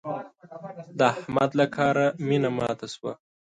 د احمد له کاره مينه ماته شوه.